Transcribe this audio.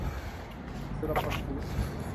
สุรพลฟู้ดส์